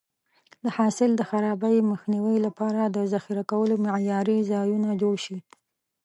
د حاصل د خرابي مخنیوي لپاره د ذخیره کولو معیاري ځایونه جوړ شي.